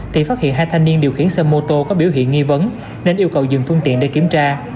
thì phát hiện hai thanh niên điều khiển xe mô tô có biểu hiện nghi vấn nên yêu cầu dừng phương tiện để kiểm tra